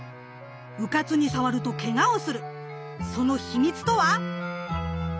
うかつに触るとけがをするその秘密とは？